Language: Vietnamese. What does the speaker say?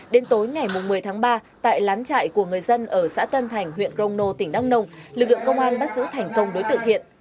đến tối ngày một mươi tháng ba tại lán chạy của người dân ở xã tân thành huyện rongno tỉnh đăng nông lực lượng công an bắt giữ thành công đối tượng hiện